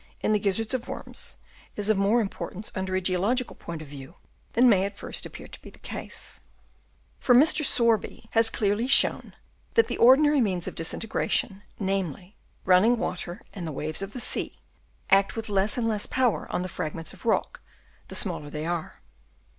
Y. in the gizzards of worms is of more import ance under a geological point of view than may at first appear to be the case; for Mr. Sorby has clearly shown that the ordinary means of disintegration, namely, running water and the waves of the sea, act with less and less power on fragments of rock the smaller they are.